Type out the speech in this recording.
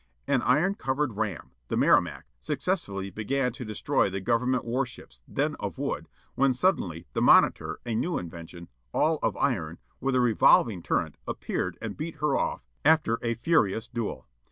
An iron covered ram, the Merrimac, successfully began to destroy the Government war ships, then of wood, when suddenly the Monitor, a new invention, all of iron, with a revolving turret, appeared and beat her off, after a furious duel.